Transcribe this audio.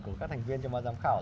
của các thành viên cho mọi giám khảo